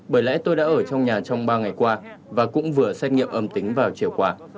bởi lẽ tôi đã ở trong nhà trong ba ngày qua và cũng vừa xét nghiệm âm tính vào chiều qua